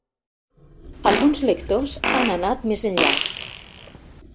Alguns lectors han anat més enllà.